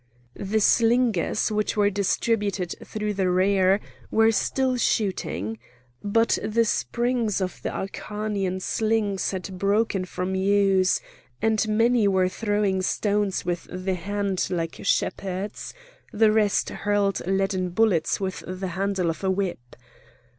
The slingers, who were distributed through the rear, were still shooting. But the springs of the Acarnanian slings had broken from use, and many were throwing stones with the hand like shepherds; the rest hurled leaden bullets with the handle of a whip.